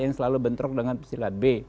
yang selalu bentrok dengan pesilat b